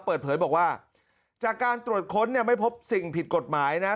เปิดเผยบอกว่าจากการตรวจค้นเนี่ยไม่พบสิ่งผิดกฎหมายนะ